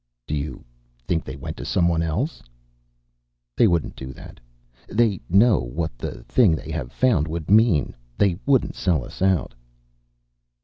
"You think they went to someone else?" "They wouldn't do that. They know what the thing they have found would mean. They wouldn't sell us out."